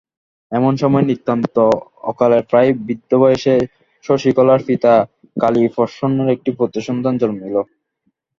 এমন সময় নিতান্ত অকালে প্রায় বৃদ্ধবয়সে শশিকলার পিতা কালীপ্রসন্নের একটি পুত্রসন্তান জন্মিল।